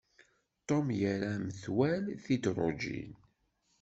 Tom yerra metwal tidrujin.